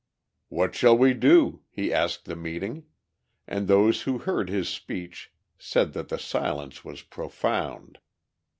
"What shall we do?" he asked the meeting and those who heard his speech said that the silence was profound.